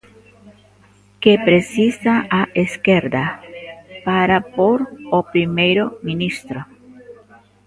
Que precisa a esquerda para pór o primeiro ministro?